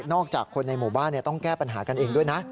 จากคนในหมู่บ้านต้องแก้ปัญหากันเองด้วยนะ